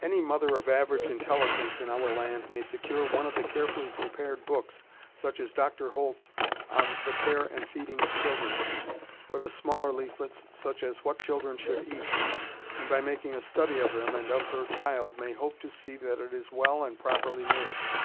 Any mother of average intelligence in our land may secure one of the carefully prepared books such as Dr. Holt's on "The Care and Feeding of Children," or the smaller leaflets such as "What Children Should Eat," and by making a study of them and of her child may hope to see that it is well and properly nourished.